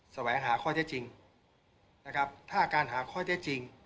แสวงหาข้อเท็จจริงนะครับถ้าการหาข้อเท็จจริง